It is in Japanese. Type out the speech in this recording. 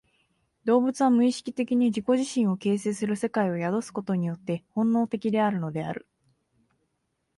動物は無意識的に自己自身を形成する世界を宿すことによって本能的であるのである。